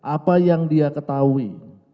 apa yang dia ketahui